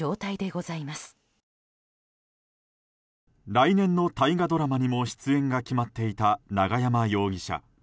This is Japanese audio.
来年の大河ドラマにも出演が決まっていた永山容疑者。